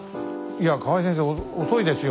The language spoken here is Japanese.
いや河合先生遅いですよ。